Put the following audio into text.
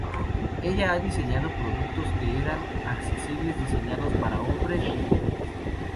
Ella ha diseñado productos que eran asequibles, diseñados para hombres y mujeres.